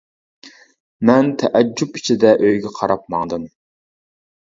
مەن تەئەججۈپ ئىچىدە ئۆيگە قاراپ ماڭدىم.